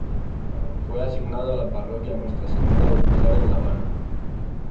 Fue asignado a la Parroquia Nuestra Señora del Pilar en La Habana.